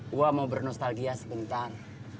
gue mau bernostalgia sebentar